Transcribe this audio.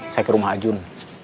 saya ke rumah jun